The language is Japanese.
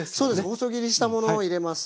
細切りしたものを入れます。